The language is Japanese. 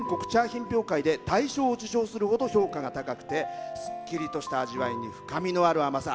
品評会で大賞を受賞するほど評価が高くてすっきりとした味わいに深みのある甘さ。